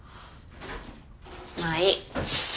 まあいい。